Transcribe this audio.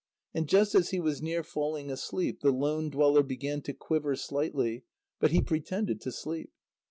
And just as he was near falling asleep, the lone dweller began to quiver slightly, but he pretended to sleep.